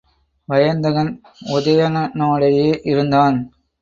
வயந்தகன் உதயணனோடேயே இருந்தான்.